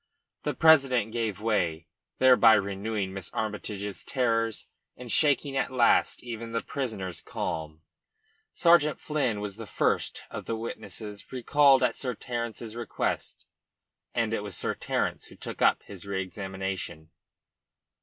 The president gave way, thereby renewing Miss Armytage's terrors and shaking at last even the prisoner's calm. Sergeant Flynn was the first of the witnesses recalled at Sir Terence's request, and it was Sir Terence who took up his re examination.